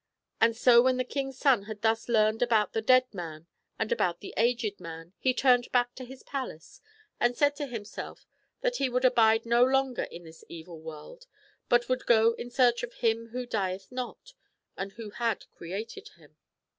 And so when the king's son had thus learned about the dead man and about the aged man, he turned back to his palace and said to himself that he would abide no longer in this evil world, but would go in search of Him Who dieth not, and Who had created him.